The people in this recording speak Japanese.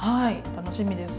楽しみです。